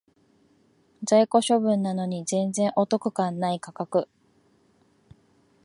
在庫処分なのに全然お得感ない価格